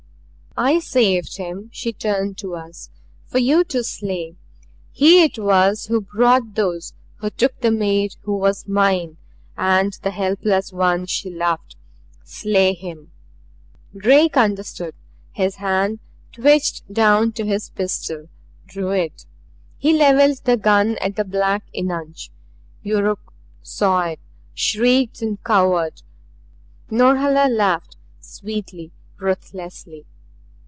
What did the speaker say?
"I saved him," she turned to us, "for you to slay. He it was who brought those who took the maid who was mine and the helpless one she loved. Slay him." Drake understood his hand twitched down to his pistol, drew it. He leveled the gun at the black eunuch. Yuruk saw it shrieked and cowered. Norhala laughed sweetly, ruthlessly.